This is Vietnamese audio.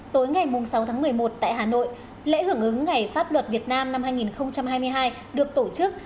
tối ngày sáu tháng một mươi một tại hà nội lễ hưởng ứng ngày pháp luật việt nam năm hai nghìn hai mươi hai được tổ chức